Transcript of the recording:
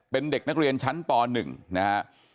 เป็นเด็กนักเรียนชั้นป๑นะฮะ